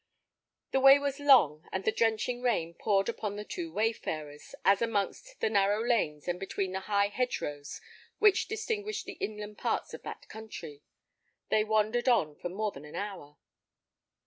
The way was long, and the drenching rain poured upon the two wayfarers, as amongst the narrow lanes and between the high hedgerows which distinguished the inland parts of that country, they wandered on for more than an hour.